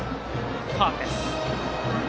ファウルです。